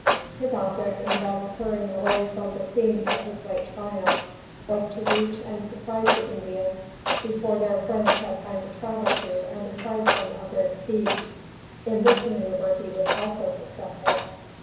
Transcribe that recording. His object in thus hurrying away from the scenes of his late triumph, was to reach and surprise the Indians before their friends had time to travel to and apprise them of their defeat. In this manoeuvre he was also successful.